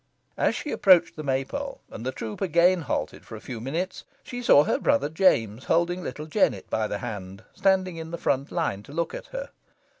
As she approached the May pole, and the troop again halted for a few minutes, she saw her brother James holding little Jennet by the hand, standing in the front line to look at her.